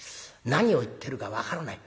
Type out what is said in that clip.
何を言ってるか分からない。